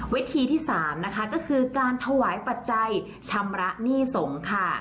วิธีที่๓นะคะก็คือการถวายปัจจัยชำระหนี้สงฆ์ค่ะ